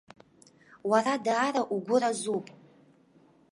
Уара даара угәы разуп!